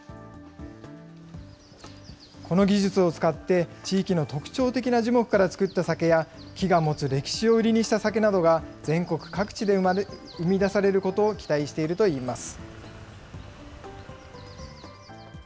この技術を使って、地域の特徴的な樹木から造った酒や、木が持つ歴史を売りにした酒などが、全国各地で生み出されることを期待しているといいます。